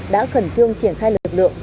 đã khẩn trương triển khai lực lượng